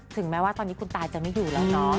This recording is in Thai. ถึงแม้ว่าตอนนี้คุณตาจะไม่อยู่แล้วเนาะ